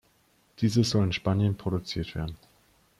Dieses soll in Spanien produziert werden.